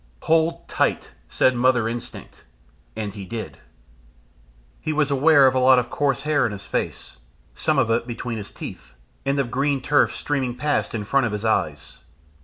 "Hold tight," said Mother Instinct, and he did. He was aware of a lot of coarse hair in his face, some of it between his teeth, and of green turf streaming past in front of his eyes.